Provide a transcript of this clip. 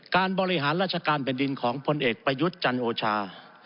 การบริหารราชการแผ่นดินของพลเอกประยุทธ์จันโอชา